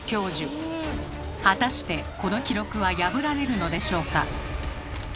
果たしてこの記録は破られるのでしょうか？